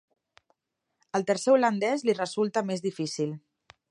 El tercer holandès li resulta més difícil.